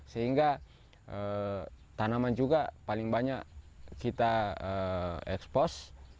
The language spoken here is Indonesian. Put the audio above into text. sehingga tanaman juga paling banyak kita ekspos